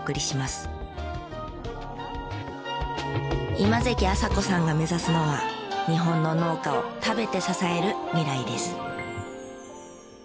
今関麻子さんが目指すのは「日本の農家を食べて支える」未来です。